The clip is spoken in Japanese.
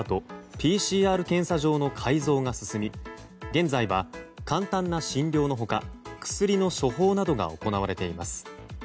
ＰＣＲ検査場の改造が進み現在は簡単な診療の他薬の処方などが行われています。